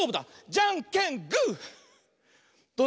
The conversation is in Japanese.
じゃんけんぽい！